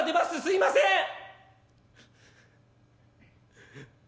「すいません。